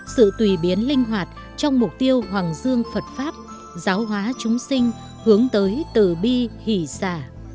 sự tùy biến linh hoạt trong mục tiêu hoàng dương phật pháp giáo hóa chúng sinh hướng tới từ bi hỷ xả